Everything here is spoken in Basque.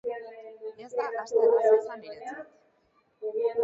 Ez da aste erraza izan niretzat.